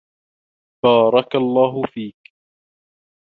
بارك الله فيك.